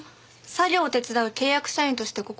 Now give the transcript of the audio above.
作業を手伝う契約社員としてここに。